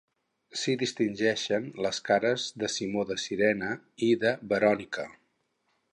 S'hi distingeixen les cares de Simó de Cirene i de Verònica.